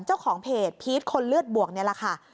เจ้าของเพจพีชคนเลือดบวกนี่แหละค่ะ